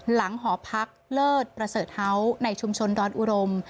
หอพักเลิศประเสริฐเฮาส์ในชุมชนดอนอุดม